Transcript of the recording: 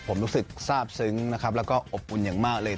ผมรู้สึกทราบซึ้งนะครับแล้วก็อบอุ่นอย่างมากเลย